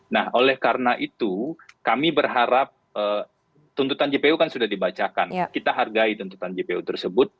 nah oleh karena itu kami berharap tuntutan jpu kan sudah dibacakan kita hargai tuntutan jpu tersebut